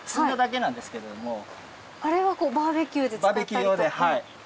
あれはバーベキューで使ったりとか？